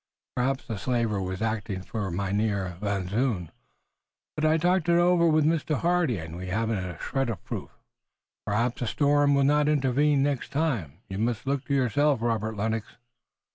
Perhaps the slaver was acting for Mynheer Van Zoon, but I talked it over with Mr. Hardy and we haven't a shred of proof." "Perhaps a storm will not intervene next time. You must look to yourself, Robert Lennox."